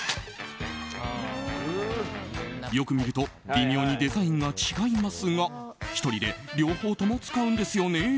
よく見ると微妙にデザインが違いますが１人で両方とも使うんですよね？